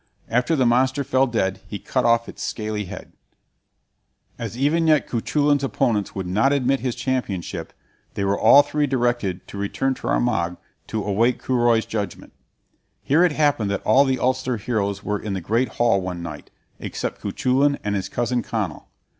After the monster fell dead, he cut off its scaly head. As even yet Cuchulain's opponents would not admit his championship, they were all three directed to return to Armagh, to await Curoi's judgment. Here it happened that all the Ulster heroes were in the great hall one night, except Cuchulain and his cousin Conall.